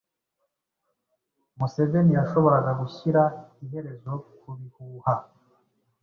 Museveni yashoboraga gushyira iherezo ku bihuha